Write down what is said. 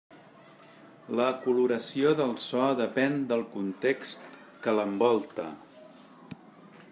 La coloració del so depèn del context que l'envolta.